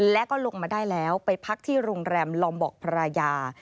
และก็ลงมาได้แล้วไปพักที่โรงแรมลอมบอกภรรยา